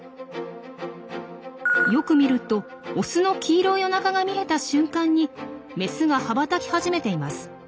よく見るとオスの黄色いおなかが見えた瞬間にメスが羽ばたき始めています。